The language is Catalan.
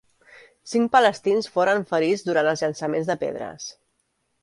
Cinc palestins foren ferits durant els llançaments de pedres.